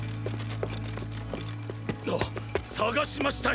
捜しましたよ